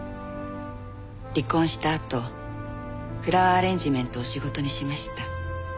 離婚したあとフラワーアレンジメントを仕事にしました。